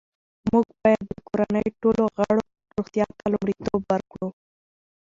موږ باید د کورنۍ ټولو غړو روغتیا ته لومړیتوب ورکړو